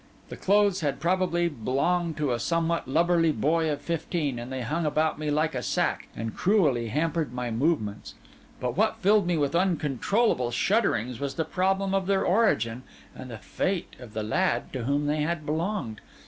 The clothes had probably belonged to a somewhat lubberly boy of fifteen; and they hung about me like a sack, and cruelly hampered my movements. But what filled me with uncontrollable shudderings, was the problem of their origin and the fate of the lad to whom they had belonged.